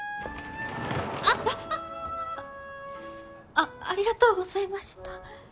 あありがとうございました。